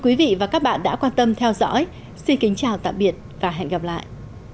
quý vị và các bạn đã quan tâm theo dõi xin kính chào tạm biệt và hẹn gặp lại